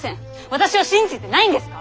私を信じてないんですか？